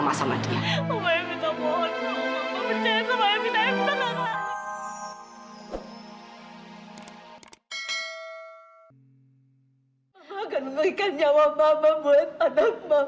mama akan memberikan nyawa mama buat anak mama